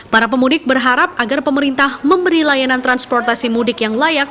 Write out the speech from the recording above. para pemudik berharap agar pemerintah memberi layanan transportasi mudik yang layak